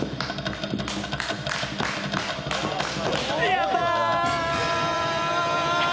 やったー！